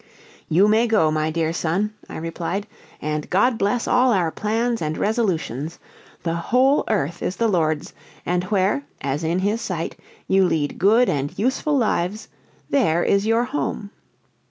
"You may go, my dear son," I replied; "and God bless all our plans and resolutions. The whole earth is the Lord's, and where, as in his sight, you lead good and useful lives, there is your home.